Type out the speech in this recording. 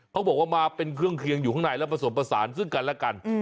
เขาบอกว่ามาเป็นเครื่องเคียงอยู่ข้างในแล้วผสมผสานซึ่งกันและกัน